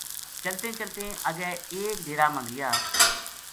چلتیں چلتیں اَگے ایک ڈیرہ ما گیا